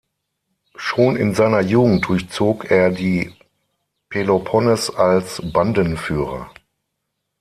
Schon in seiner Jugend durchzog er die Peloponnes als Bandenführer.